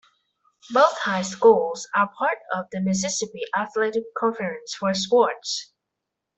Both high schools are part of the Mississippi Athletic Conference for sports.